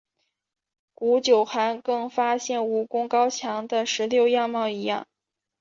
古九寒更发现武功高强的石榴样貌一样。